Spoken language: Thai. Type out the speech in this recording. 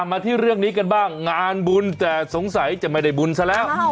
มาที่เรื่องนี้กันบ้างงานบุญแต่สงสัยจะไม่ได้บุญซะแล้ว